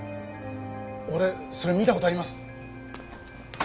俺それ見た事あります。